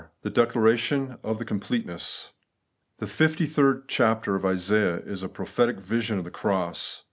THE DECLARATION OF THE COMPLETENESS. rilHE fifty third chapter of Isaiah is a prophetic * vision of the cross.